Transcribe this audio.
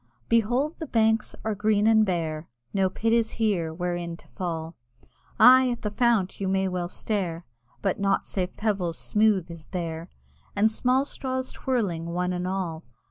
Behold the banks are green and bare, No pit is here wherein to fall: Aye at the fount you well may stare, But nought save pebbles smooth is there, And small straws twirling one and all.